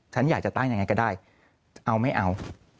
ฉันอยากจะตั้งยังไงก็ได้เอาไม่เอา